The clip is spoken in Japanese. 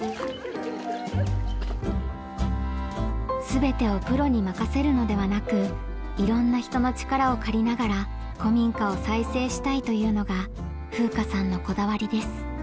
全てをプロに任せるのではなくいろんな人の力を借りながら古民家を再生したいというのが風夏さんのこだわりです。